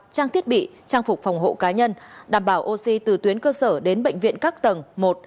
trang thiết bị trang phục phòng hộ cá nhân đảm bảo oxy từ tuyến cơ sở đến bệnh viện các tầng một